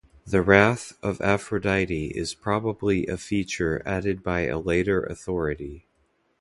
The wrath of Aphrodite is probably a feature added by a later authority.